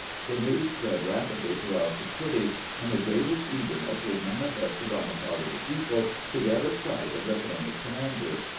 The news spread rapidly throughout the city, and the greatest eagerness was manifested on the part of the people to get a sight of the famous commander.